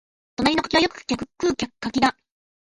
隣の柿はよく客食う柿だ